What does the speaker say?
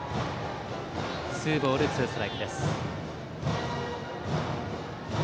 ツーボールツーストライクです。